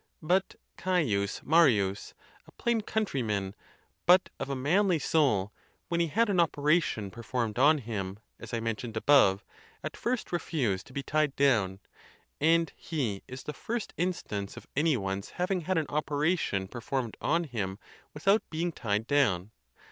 But Caius Marius, a plain' countryman, but of a manly soul, when he had an operation performed on him, as I mentioned above, at first refused to be tied down; and he is the first instance of any one's having had an operation performed on him without be ing tied down.